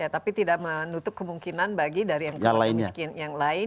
tapi tidak menutup kemungkinan bagi yang lain